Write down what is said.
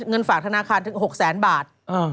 เงินฝากธนาคารถึง๖แสนบาท